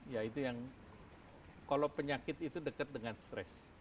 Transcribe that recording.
ya itu yang kalau penyakit itu dekat dengan stres